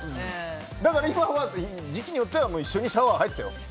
だから、時期によっては一緒にシャワー入ってたよ。